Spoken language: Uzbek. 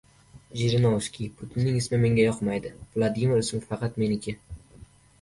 Jirinovskiy: "Putinning ismi menga yoqmaydi. Vladimir ismi faqat meniki"